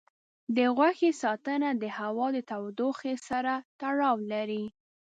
د غوښې ساتنه د هوا د تودوخې سره تړاو لري.